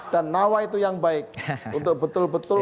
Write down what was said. dan nawai itu yang baik untuk betul betul